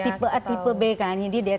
tipe a tipe b kayaknya